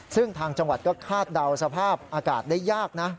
ซึ่งทางจังหวัดก็คาดเดาสภาพอากาศได้ยากนะ